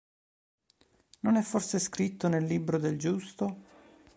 Non è forse scritto nel libro del Giusto?